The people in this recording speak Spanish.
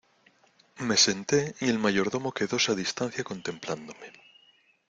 me senté, y el mayordomo quedóse a distancia contemplándome.